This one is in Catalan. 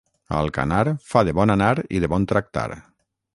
A Alcanar fa de bon anar i de bon tractar.